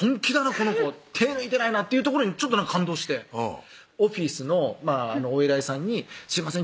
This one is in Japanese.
この子手抜いてないなっていうところにちょっと感動してオフィスのお偉いさんに「すいません」